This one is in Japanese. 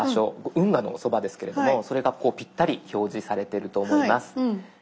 運河のそばですけれどもそれがぴったり表示されてると思います。